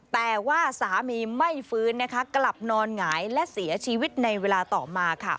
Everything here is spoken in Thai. แต่ว่าสามีไม่ฟื้นนะคะกลับนอนหงายและเสียชีวิตในเวลาต่อมาค่ะ